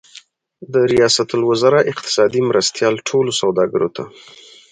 د ریاست الوزار اقتصادي مرستیال ټولو سوداګرو ته